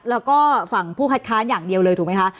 แล้วก็ฝั่งผู้คัดค้านอย่างเดียวเลยถูกไหมคะ